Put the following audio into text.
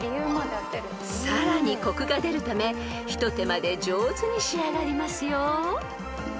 ［さらにコクが出るため一手間で上手に仕上がりますよ］